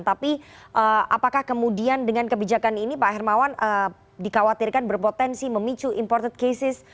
tapi apakah kemudian dengan kebijakan ini pak hermawan dikhawatirkan berpotensi memicu imported cases